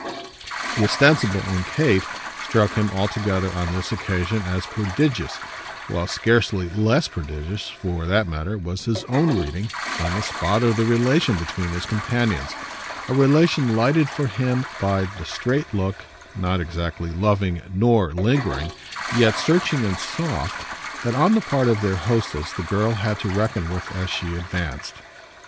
The ostensible, in Kate, struck him altogether, on this occasion, as prodigious; while scarcely less prodigious, for that matter, was his own reading, on the spot, of the relation between his companions a relation lighted for him by the straight look, not exactly loving nor lingering, yet searching and soft, that, on the part of their hostess, the girl had to reckon with as she advanced.